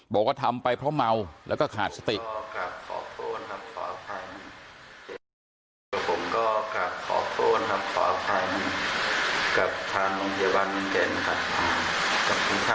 บอกว่าทำไปเพราะเมาแล้วก็ขาดสติ